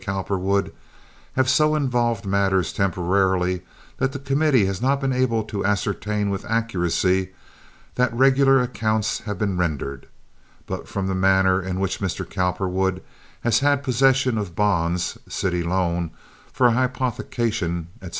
Cowperwood have so involved matters temporarily that the committee has not been able to ascertain with accuracy that regular accounts have been rendered; but from the manner in which Mr. Cowperwood has had possession of bonds (city loan) for hypothecation, etc.